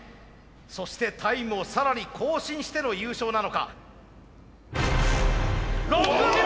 そしてタイムを更に更新しての優勝なのか。